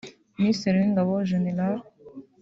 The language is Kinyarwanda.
Minisitiri w’ingabo Gen